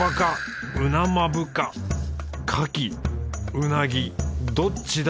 うなぎどっちだ？